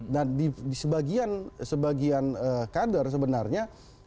dan di sebagian kader sebenarnya